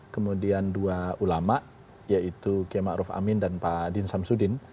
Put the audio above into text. kemudian dua ulama yaitu kiamak ruf amin dan pak din samsudin